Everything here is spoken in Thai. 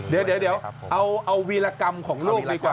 เดี๋ยวเอาวีรกรรมของลูกดีกว่า